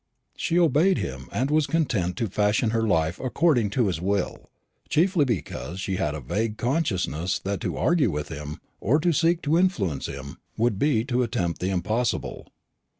She obeyed him, and was content to fashion her life according to his will, chiefly because she had a vague consciousness that to argue with him, or to seek to influence him, would be to attempt the impossible.